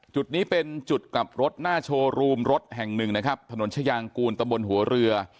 จุดนี้เป็นจุดกลับรถหน้าโชว์รูมรถแห่งหนึ่งนะครับถนนชายางกูลตะบนหัวเรือ